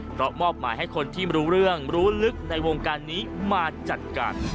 เพราะมอบหมายให้คนที่รู้เรื่องรู้ลึกในวงการนี้มาจัดการ